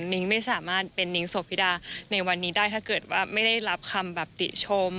นิ้งไม่สามารถเป็นนิ้งโสพิดาในวันนี้ได้ถ้าเกิดว่าไม่ได้รับคำแบบติชม